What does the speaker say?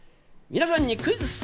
皆さんにクイズッス。